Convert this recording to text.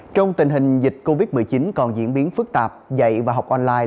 trong tình hình dịch covid một mươi chín còn diễn biến phức tạp dạy và học online